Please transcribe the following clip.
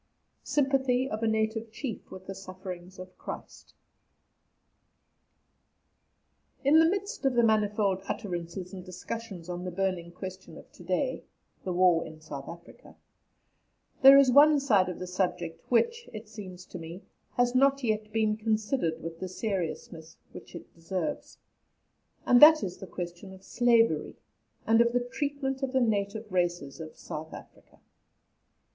SYMPATHY OF A NATIVE CHIEF WITH THE SUFFERINGS OF CHRIST. In the midst of the manifold utterances and discussions on the burning question of to day, the War in South Africa, there is one side of the subject which, it seems to me, has not as yet been considered with the seriousness which it deserves, and that is the question of Slavery, and of the treatment of the native races of South Africa.